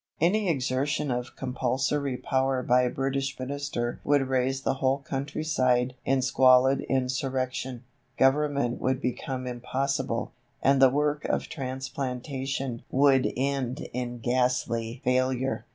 Any exertion of compulsory power by a British Minister would raise the whole country side in squalid insurrection, government would become impossible, and the work of transplantation would end in ghastly failure.